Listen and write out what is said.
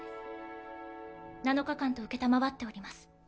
７日間と承っております。